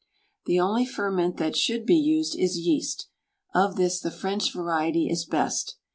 The only ferment that should be used is yeast; of this the French variety is best.